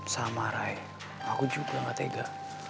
sama ray aku juga tidak tega